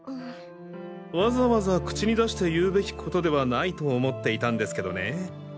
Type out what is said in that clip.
わざわざ口に出して言うべきことではないと思っていたんですけどね。